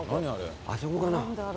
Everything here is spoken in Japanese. あそこかな？